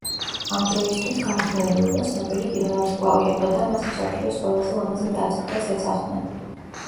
ამ დროისთვის გარდნერი უკვე ცნობილი კინოვარსკვლავი იყო და მას „მსოფლიოს ყველაზე ლამაზ მტაცებელს“ ეძახდნენ.